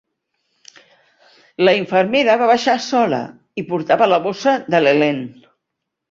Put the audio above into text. La infermera va baixar sola i portava la bossa de l'Helene.